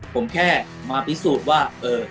ผมแค่มาพิสูจน์ว่า